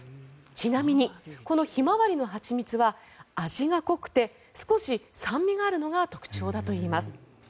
ちなみに、このヒマワリの蜂蜜は味が濃くて少し酸味があるのが特徴だといいます。